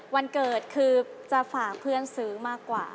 วันเกิดคือจะฝากเพื่อนซื้อมากกว่า